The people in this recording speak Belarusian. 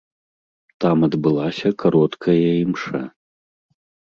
Там адбылася кароткая імша.